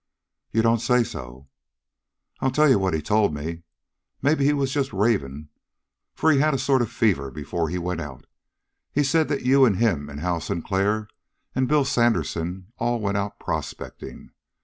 "You don't say so!" "I'll tell you what he told me. Maybe he was just raving, for he had a sort of fever before he went out. He said that you and him and Hal Sinclair and Bill Sandersen all went out prospecting.